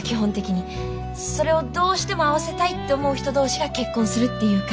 それをどうしても合わせたいって思う人同士が結婚するっていうか。